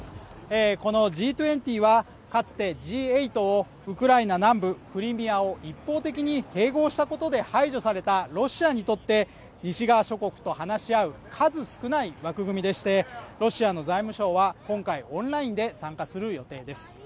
このＧ２０は、かつてＧ８をウクライナ南部クリミアを一方的に併合したことで排除されたロシアにとって、西側諸国と話し合う数少ない枠組みでして、ロシアの財務相は、今回オンラインで参加する予定です